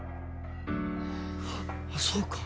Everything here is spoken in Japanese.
あっそうか。